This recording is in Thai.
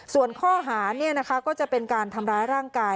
ส่วนข้อหาก็จะเป็นการทำร้ายร่างกาย